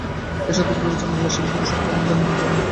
এসব দিক বিবেচনায় মূল আসামি সোহেল রানার জামিন হতে পারে না।